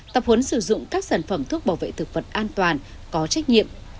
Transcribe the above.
tập huấn sử dụng các sản phẩm thuốc bảo vệ thực vật an toàn có trách nhiệm